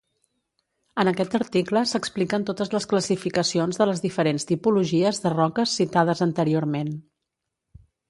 En aquest article s'expliquen totes les classificacions de les diferents tipologies de roques citades anteriorment.